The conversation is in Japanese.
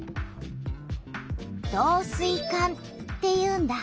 「導水管」っていうんだ。